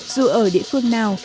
dù ở địa phương nào